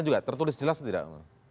juga tertulis jelas tidak